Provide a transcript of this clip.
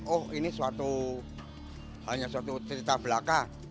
oh ini hanya suatu cerita belaka